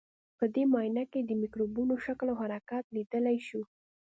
په دې معاینه کې د مکروبونو شکل او حرکت لیدلای شو.